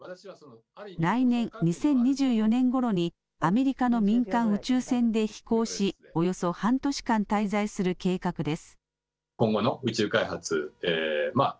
来年・２０２４年ごろにアメリカの民間宇宙船で飛行し、およそ半年間滞在する計画です。